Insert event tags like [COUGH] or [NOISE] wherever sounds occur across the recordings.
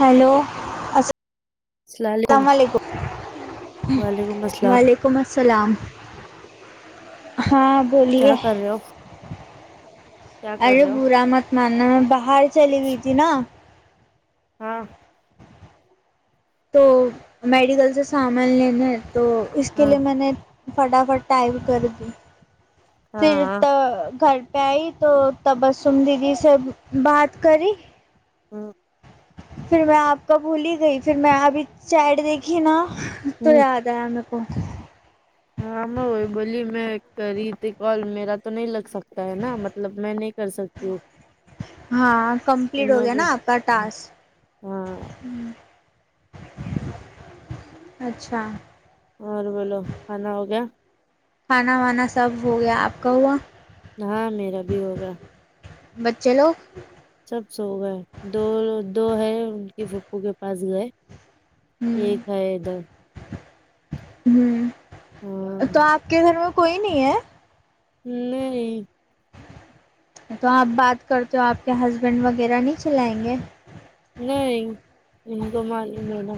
hello اللام علیکم وعلیکم ویک [UNINTELLIGIBLE] و السلام علیکم السلام ہاں [UNINTELLIGIBLE] کیا کر رہے ہو [UNINTELLIGIBLE] کیا کر ارے رہے ہو برا مت مانا میں باہر چلی ہوئی تھی نا ہاں تو میڈیکل سے سامان لینےا ہے تو اس کے ہاں لیے میں نے فٹافٹ ٹائپ کر دی پھر ہاں ہاں تو گھر پہ آئی تو تبسم دیدی سے بات کری ہ [INAUDIBLE] پھر میں آپ کا بھول ہی گئی پھر میں ابھی سائڈ دیکھی نا تو ہوں، یاار د میں کو [UNINTELLIGIBLE] ہاں میں وہی بولی میں کر رہی تھی کال میرا تو نہیں لگ سکتا ہے نا مطلب میں نہیں کر سکتی دو [INAUDIBLE] ہاں کمپلیٹ ہو گیا نا آپ کا ٹاسک ہاں ہ اچھا اور بولو کھانا ہو گیا کھانا وانا سب ہو گیا آپ کا ہوا ہاں میرا بھی ہوگیاا بچے لو سب سو ہو گئے دو دو ہے ان کے پھپو کے پاس گئے ایکیک ہوں ہے ادھر ہوں تو ہاں آپ کے گھر میں کوئی نہیں ہے نہیں نہیں تو آپ بات کرتے ہو آپ کے ہسبینڈ وغیرہ نہیں چلائیں گے نہیں تو مال مڈا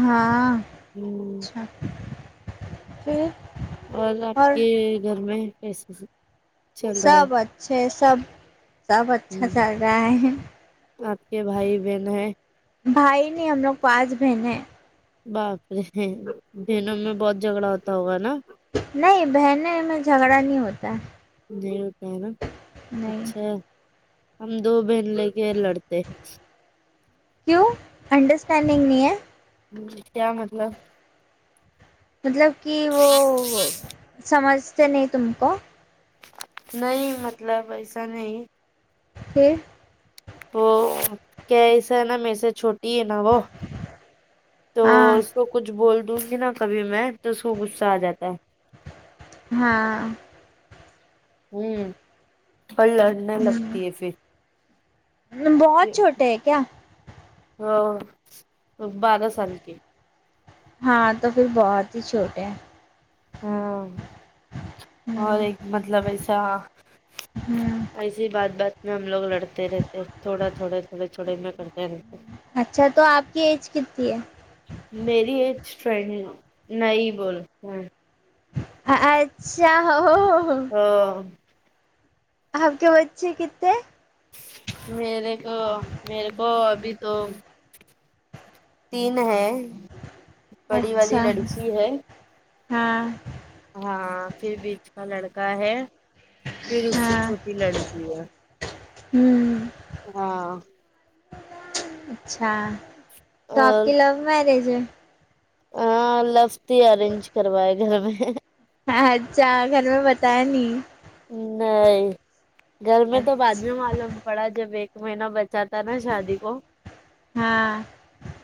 ہاں ہمم اچھا پ اور آپ کے گھر میں کیسے چل رہا ہے سب اچھے سب سب اچھا ہم، جل رہا ہے آپ کے بھائی بہن ہیں [UNINTELLIGIBLE] بھائی نہیں ہم لوگ پانچ بہن ہیں باپرے ہیں دنوں میں بہت جھگڑا ہوتا ہوگا نا نہیں بہن میں جھگڑا نہیں ہوتا نہیں ہوتا ہے نا نہیں [UNINTELLIGIBLE] اچھا ہم دو بہن لے کے لڑتے کیوں انڈرسٹینڈنگ نہیں ہے کیا مطلب مطلب کہ وہ سمجھتے نہیں تم کو نہیں مطلب ایسا نہیں یہ [INAUDIBLE] وہ کیا ایسا ہے نا میر سے چھوٹی ہے نا وہ تو ہاں تو کچھ بول دوں گی نا کبھی میں تو سوغصہ آ جاتا ہے ہاں ہوں اور لڑنے لگتی ہے پھر بہت چھوٹے ہے کیا ہ بارہ سال کےے [UNINTELLIGIBLE] ہاں تو پھر بہت ہی چھوٹے ہیں ہاں اور ہوں ایک مطلب ایسا ہوں ایسیے بات بات میں ہم لوگ لڑتے رہتے تھوڑا تھوڑے تھوڑے تھوڑے میں کرتے رہتے اچھا تو آپ کی ایج کتتی ہے میری ایج ٹرینڈگ نہیں بولتے ہیں اچھا ہو ہاں آپ کے بچے کتنے میرے کو میرے کو ابھی تو تین ہے بڑی والی اچھا لڑکی ہے ہاں ہاں پھر بیچ کا لڑکا ہے پھر اس سے ہاں چھوٹی لڑکی ہے ہوں ہاں اچھا تو آپ اور کی لو میرج ہے ہاں لف ہی ارینج کروائے گھر میں ہاں اھا گھر میں بتایا نہیں نہیں گھر میں تو اچھا بعد میں معلوم پڑا جب ایک مہینہ بچ چاہتا نا شادی کو ہاں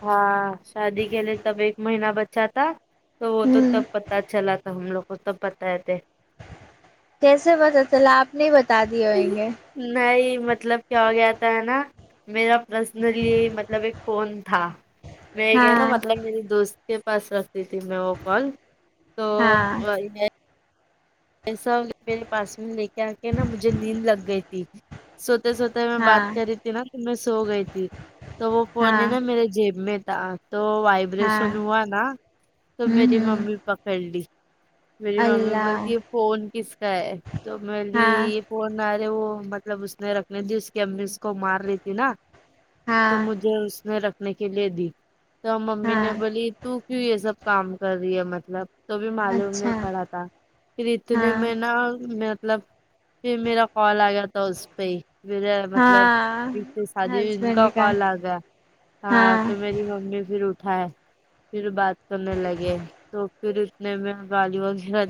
ہاں شادی کے لیے تب ایک مہینہ بچہ تھا تو وہ تو ہوں تب پتا چلا تھا ہم لوگ کو تب پتائے تھے کیسے پتا چلا آپ نے بتا دی ہوئیں گے نہیں مطلب کیا ہو گیا تھا ہے نا میرا پرسنلی مطلب ایک فون تھا میں نا ہاں مطلب میری دوست کے پاس رکھتی تھی میں وہ کال تو ہاں یہ ایسا میرے پاس میں لے کے آ کے نا مجھے نیند لگ گئی تھی سوتے سوتے میں بات ہاں کر رہی تھی نا تو میں سو گئی تھی تو وہ پورنی ہاں نا میرے جیب میں تھا تو ہاں وائبریشن ہوا نا تو ہوں میری ہوں ممی پکڑ لی میری ممی اللہ بولتی ہے فون کس کا ہے تو ہاں بھی نہارے وہ مطلب اس نے رکھنے تھی اس کی امی اس کو مار رہی تھی نا تو ہاں مجھے اس نے رکھنے کے لیے دی تو ممی ہاں نے بولی تو کیوں یہ سب کام کر رہی ہے مطلب تو بھی معلوم اچھا نہیں پڑا تھا پھر اتنے ہاں میں نا مطلب پھر میرا کال آ گیا تھا اس پہ ہی میرا مطلب ہاں بیچ سے شادی میں ان کا کال آ گیا ہاں تو میری ممی پھر اٹھائے پھر بات کرنے لگے تو پھر اتنے میں گڑی وغیرہ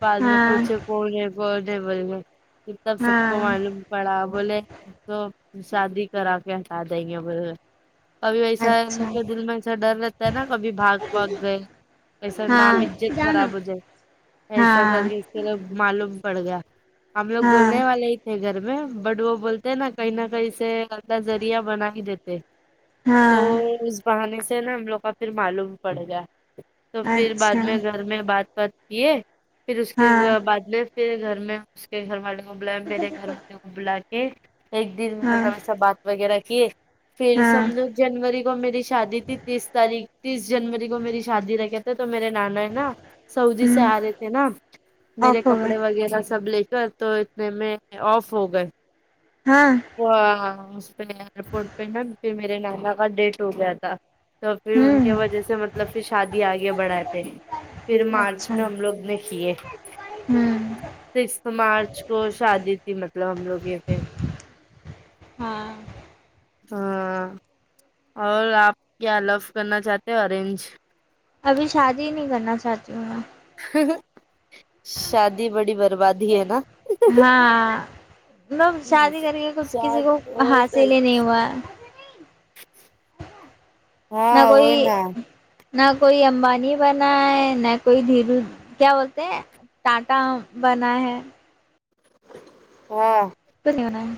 بعد میں ہاں پوچھے کون ہے کون ہے بول میں یہ تب سب ہاں کو معلوم پڑا بولے تو شادی کرا کے ہٹا دیں گے بے کبھی ایسا ہے اچھا کے دل میں ایسا ڈر رہتا ہے نا کبھی بھاگ بھاگ گئے ایسا ہاں نام عزت خراب ہو جائے ایسا ہاں کر کے اس کے لوگ معلوم پڑ گیا ہم لوگ ہاں بولنے والے ہی گھر میں بٹ وہ بولتے ہیں نا کہیں نہ کہیں سے الدا ذرییا بنا ہی دیتے تو ہاں اس بہانے سے نا ہم لوگ کا پھر معلوم پڑے گا تو پھر بعد اچھا میں گھر میں بات بات کیے پھر اس کے ہاں بعد میں پیرے گھر میں اس کے گھر والے کو بلایا میرے گھر والے کو بلا کے ایک دن ہاں میں سا بات وغیرہ کیے پھر ہاں سمجھو جنوری کو میری شادی تھی تیس تاریخ تیس جنوری کو میری شادی رہ کیا تو میرے نانا ہے نا سعودی سے ہوں آ رہے تھے نا میرے آف ہو گیا کپڑے وغیرہ سب لے کر تو اتنے میں آف ہو گئے ہاں وہ اس پہ ایئرپورٹ پہ نا پھر میرے نانا کا ڈیٹ ہو گیا تھا تو پھر ان ہوں کے وجہ سے مطلب پھر شادی آگے بڑھائے پہ پھر ماں اس اچھا میں ہم لوگ نے کیے ہوں سکسھ مارچ کو شادی تھی مطلب ہم لوگ یہ پہ ہاں ہاں اور آپ کیا لف کرنا چاہتے ارینج ابھی شادی ہی نہیں کرنا چاہتی ہوں میں شادی بڑی بربادی ہے نا ہاں مطلب شادی کر کے کچھ کسی شاد کو وہی تو، حاصل ہی نہیں ہوا نہ ہاں کوئی وہی نا نہ کوئی امبانی بنائے نہ کوئی دھیرو کیا بولتے ہیں ٹاٹا بنا ہے ہاں نہیں ہونا ہے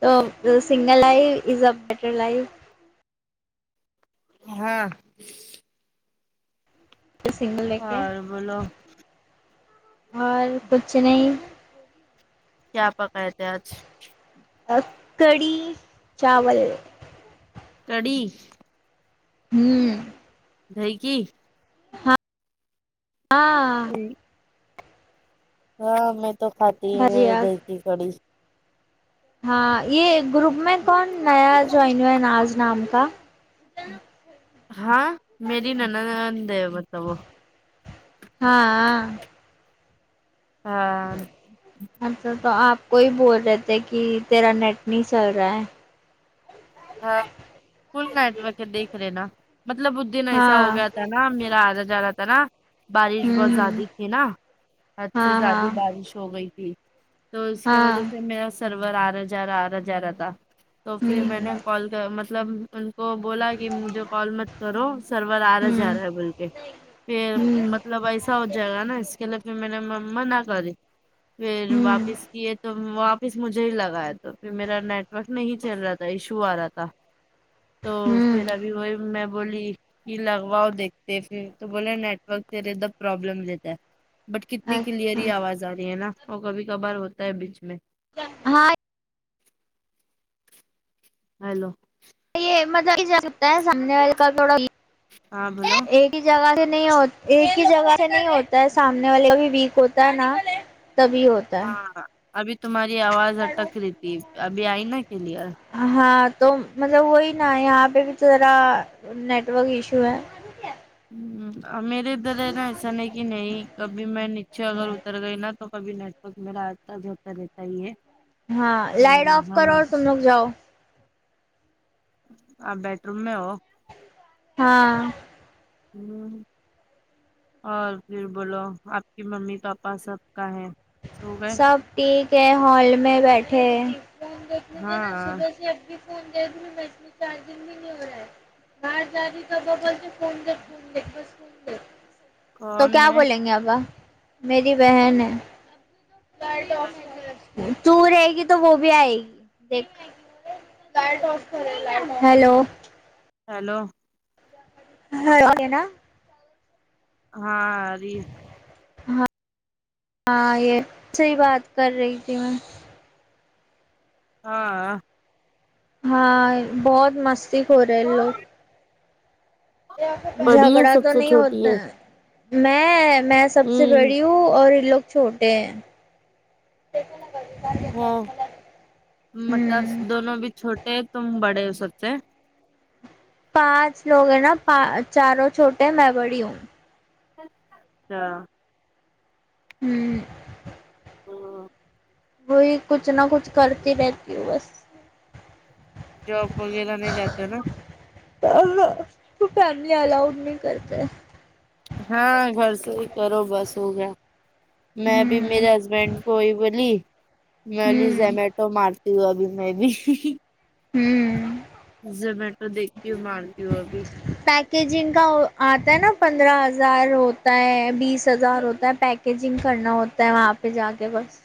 تو single life is a better life ہاں سنگل دیکھ اور بولو اور کچھ نہیں کیا پکے تھے آج کڑھی چاول کڑی ہوں دھی کی ہاں ہاں کو [UNINTELLIGIBLE] ہاں میں تو کاتی نہی بھجیا دہی کی کڑی ہاں یہ گروپ میں کون نیا جوائن ہوا ہے ناز نام کا ہاں میری نند مطلب وہ ہاں ہاں اچھا تو آپ کو ہی بول رہے تھے کہ تیرا نیٹ نہیں چل رہا ہے فل نیٹ وک دیکھ رہے نا مطلب اس دن ایسا ہو ہاں گیا تھا نا میرا آ جا جا رہا تھا نا بارش ہوں بہت ہوں زیادہ تھی نا حد سے ہاں زیادہ ہاں بارش ہو گئی تھی تو اس کے ہاں وجہ سے میرا سرور آ رہا جا رہا آ رہا جا رہا تھا تو پھر ہوں میں نے کال کر مطلب ان کو بولا کہ مجھے کال مت کرو سرور آ رہا جا ہوں رہا ہے بول کے پھر ہوں مطلب ایسا ہو جائے گا نا اس کے لیے پھر میں نے منع کری پھر ہوں واپس کیے تو واپس مجھے ہی لگایا تو پھر میرا نیٹورک نہیں چل رہا تھا ایشو آ رہا تھا تو ہوں پھر ابھی وہی میں بولی یہ لگواؤ دیکتے پھر تو بولے نیٹورک سےد پرابلم رہتا ہے بٹ کتنی اچھا کلیئری آواز آ رہی ہے نا وہ کبھی کبھار ہوتا ہے بیچ میں ہاں ہیلو یہ مزہ بھی ج سکتا ہے سامنے والے کا تھوڑا ہاں بولو ایک ہی جگہ سے نہیں ایک ہی جگہ سے نہیں ہوتا ہے سامنے والے کا بھی ویک ہوتا ہے نا تبھی ہو ہاں ابھی تمہاری آواز اٹک رہی تھی ابھی آئی نا ا کلر ہاں تو مطلب وہی نا یہاں پہ بھی تو ذرا نیٹورک ایشو ہے ہ میرے ادھر ہے نا ایسا نہیں کہ نہیں کبھی میں نیچے اگر اتر گئی نا تو کبھی نیٹ ورک میر رہتا جو ہوتا رہتا ہی ہے ہاں لائٹ سمجھے آف کرو ہاں اور تم لگ جاؤ آپ بیڈ روم میں ہو ہاں اور پھر بولو آپ کی ممی پاپا سب کا ہے سو گئے سب ٹھیک ہے ہال میں بیٹھے ہیں فون دیکھ لیجیے نا ہاں صبح سے اب بھی فون دیکھ لوں میں اتنی چارجنگ بھی نہیں ہو رہی [INAUDIBLE] تو کون کیا ہے بولیں گے ابا میری بہن ہے تو رہے گی تو وہ بھی آئے گی دیکھ ہیلو ہیلو [INAUDIBLE] ہاں آرہی ہے ہاں ہاں یہ صحیح بات کر رہی تھی میں ہاں ہاں بہت مستی خور ہے یہ لوگ بڑی ہے جھگڑا سب تو سے نہیں چھوٹی ہوتا ہے میں میں سب سے بڑی ہوں اور یہ لوگ چھوٹے ہیں وہ مطلب ہوں دونوں ابی چھوٹے ہیں تم بڑے ہو سب سے پانچ لوگ ہیں نا چاروں چھوٹے ہیں میں بڑی ہوں اچھا ہوں [INAUDIBLE] وہی کچھ نہ کچھ کرتی رہتی ہوں بس جاب وغیرہ نہیں جاتا نا تو فیملی الاؤڈ نہیں کرتے ہاں گھر سے ہی کرو بس ہو گیا میں بھی ہوں میرے ہسبینڈ کو ہی بولی میں بولی ہوں زمیٹو مارتا تو ابھی میں بھی ہوں زومیٹو دیک [INAUDIBLE] پیکیجنگ کا آتا ہے نا پندرہ ہزار ہوتا ہے بیس ہزار ہوتا ہے پیک پیکیجنگ کرنا ہوتا ہے وہاں پہ جا کے بس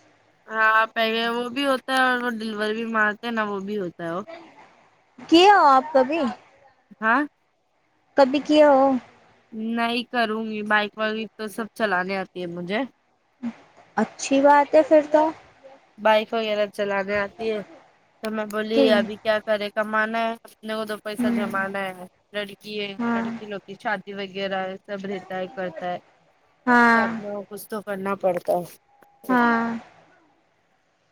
ہاں پہلے وہ بھی ہوتا ہے اور وہ ڈلیوری بھی مارتے ہیں نا وہ بھی ہوتا ہے وہ کیا ہو آپ کبھی ہاں کبھی کیا ہو نہیں کروں گی بائک وغیرہ تو سب چلانے آتی ہے مجھے اچھی بات ہے پھر تو بائک وغیرہ چلانے آتی ہے تو میں بولی کہ ابھی کیا کرے کمانا ہے اپنے کو تو پیسہ ہوں جمانا ہے لڑکی ہے ہاں لڑکی لو کی شادی وغیرہ ہے سب رہتا ہے کرتا ہے تو ہاں اپنے کچھ تو کرنا پڑتا ہے ہاں